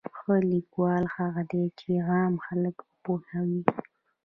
ښه لیکوال هغه دی چې عام خلک وپوهوي.